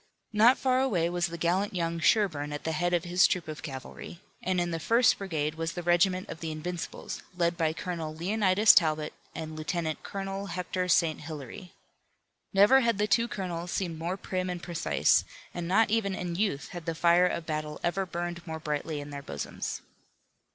Not far away was the gallant young Sherburne at the head of his troop of cavalry, and in the first brigade was the regiment of the Invincibles led by Colonel Leonidas Talbot and Lieutenant Colonel Hector St. Hilaire. Never had the two colonels seemed more prim and precise, and not even in youth had the fire of battle ever burned more brightly in their bosoms.